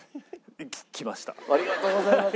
ありがとうございます。